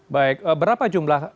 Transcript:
baik berapa jumlah